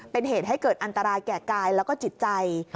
เป็นเหตุให้เกิดอันตรายแก่กายแล้วก็จิตใจ